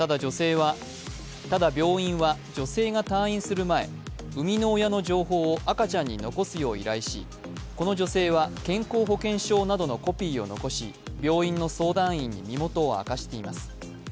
ただ病院は女性が退院する前、生みの親の情報を赤ちゃんに残すよう依頼し、この女性は健康保険証などのコピーを残し、病院の相談員に身元を明かしています。